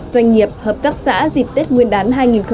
doanh nghiệp hợp tác xã dịp tết nguyên đán hai nghìn hai mươi